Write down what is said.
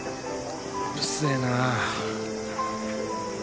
うるせえな。